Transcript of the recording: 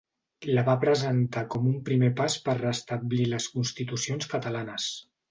La va presentar com un primer pas per restablir les constitucions catalanes.